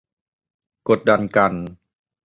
กดดันกัน